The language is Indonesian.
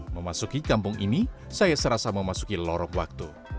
memasuki kampung ini saya serasa memasuki lorong waktu